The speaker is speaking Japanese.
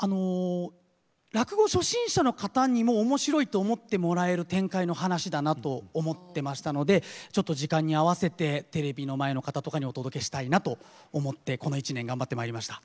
落語初心者の方にも面白いと思ってもらえる展開の噺だなと思ってましたのでちょっと時間に合わせてテレビの前の方とかにお届けしたいなと思ってこの一年頑張ってまいりました。